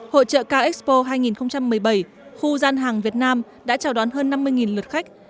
hội trợ k expo hai nghìn một mươi bảy khu gian hàng việt nam đã chào đón hơn năm mươi lượt khách